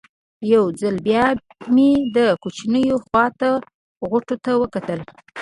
یو ځل بیا مې د کوچونو خوا ته غوټو ته وکتل.